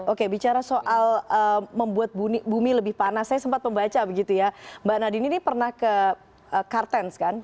oke bicara soal membuat bumi lebih panas saya sempat membaca begitu ya mbak nadine ini pernah ke kartens kan